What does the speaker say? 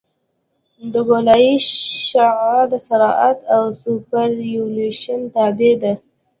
د ګولایي شعاع د سرعت او سوپرایلیویشن تابع ده